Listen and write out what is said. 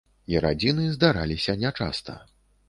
І радзіны здараліся нячаста.